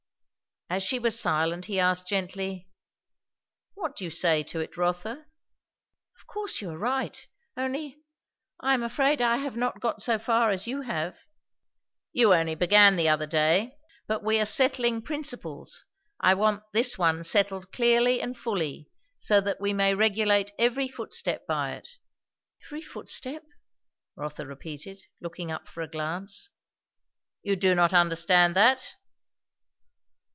As she was silent, he asked gently, "What do you say to it, Rotha?" "Of course you are right. Only I am afraid I have not got so far as you have." "You only began the other day. But we are settling principles. I want this one settled clearly and fully, so that we may regulate every footstep by it." "Every footstep?" Rotha repeated, looking up for a glance. "You do not understand that?"